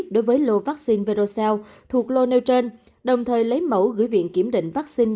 đối với lô vaccine verocel thuộc lô nêu trên đồng thời lấy mẫu gửi viện kiểm định vaccine